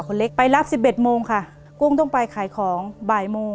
เปลี่ยนเพลงเพลงเก่งของคุณและข้ามผิดได้๑คำ